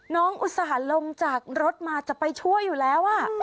น้องอุปสรรค์ลงจากรถมาจะไปชั่วอยู่แล้ว